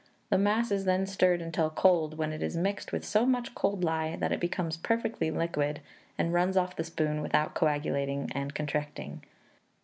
The mass is then stirred until cold, when it is mixed with so much cold lye that it becomes perfectly liquid, and runs off the spoon without coagulating and contracting.